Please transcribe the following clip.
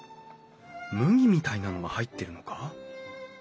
麦みたいなのが入ってるのか？